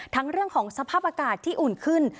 เรื่องของสภาพอากาศที่อุ่นขึ้น